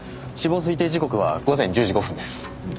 死亡推定時刻は午前１０時５分です。